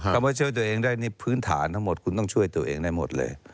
ว่าช่วยตัวเองได้นี่พื้นฐานทั้งหมดคุณต้องช่วยตัวเองได้หมดเลย